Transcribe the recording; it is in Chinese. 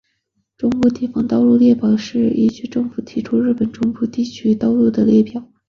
中部地方道路列表是依行政区列出日本中部地方道路的列表。